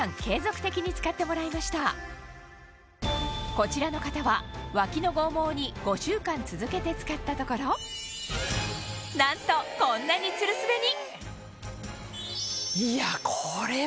こちらの方はワキの剛毛に５週間続けて使ったところなんとこんなにツルスベに！